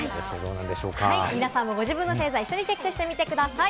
皆さんもご自分の星座を一緒にチェックしてみてください。